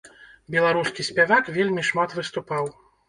Беларускі спявак вельмі шмат выступаў.